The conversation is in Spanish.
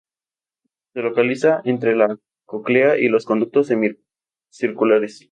Se localiza entre la cóclea y los conductos semicirculares.